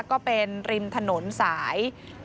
ก็เป็นริมถนนสาย